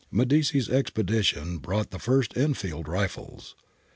'Medici's Expedition brought the first Enfield Rifles.